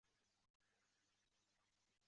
后遂以桦树香烟指代青楼女子所在之处。